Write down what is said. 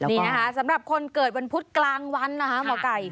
นี่นะคะสำหรับคนเกิดวันพุธกลางวันนะคะหมอไก่